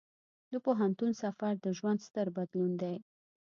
د پوهنتون سفر د ژوند ستر بدلون دی.